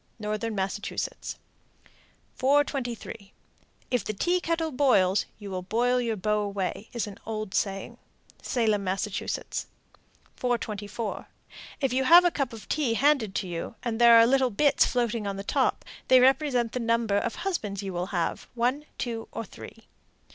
Northern Massachusetts. 423. "If the tea kettle boils, you will boil your beaux away," is an old saying. Salem, Mass. 424. If you have a cup of tea handed to you, and there are little bits floating on top, they represent the number of husbands you will have one, two, or three.